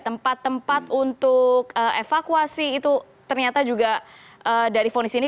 tempat tempat untuk evakuasi itu ternyata juga dari fonis ini